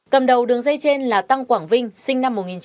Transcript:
cầm đầu đường dây trên là tăng quảng vinh sinh năm một nghìn chín trăm tám mươi